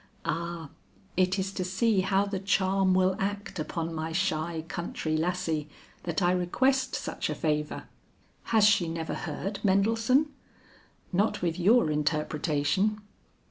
"Ah, it is to see how the charm will act upon my shy country lassie, that I request such a favor." "Has she never heard Mendelssohn?" "Not with your interpretation."